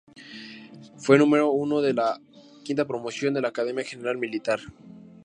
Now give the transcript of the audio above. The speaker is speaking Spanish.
Fue número uno de la V promoción de la Academia General Militar.